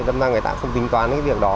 nên người ta không tính toán cái việc đó